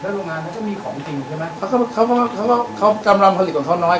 แล้วโรงงานนั้นก็มีของจริงใช่ไหม